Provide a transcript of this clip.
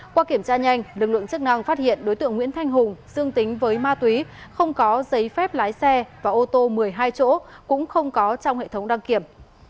qua kiểm tra nhanh lực lượng chức năng phát hiện đối tượng nguyễn thanh hùng dương tính với ma túy không có giấy phép lái xe và ô tô một mươi hai chỗ cũng không có trong hệ thống đăng kiểm